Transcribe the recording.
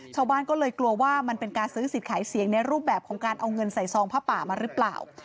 ชาวบ้านก็เลยกลัวว่ามันเป็นการซื้อสิทธิ์ขายเสียงในรูปแบบของการเอาเงินใส่ซองผ้าป่ามาหรือเปล่า